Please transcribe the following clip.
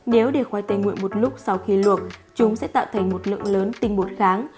nếu để khoai tây nguyện một lúc sau khi luộc chúng sẽ tạo thành một lượng lớn tinh bột kháng